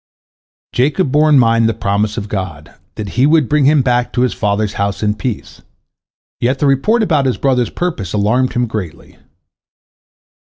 " Jacob bore in mind the promise of God, that He would bring him back to his father's house in peace, yet the report about his brother's purpose alarmed him greatly.